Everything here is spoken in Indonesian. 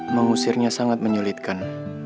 mengusirnya sangat menyulitkan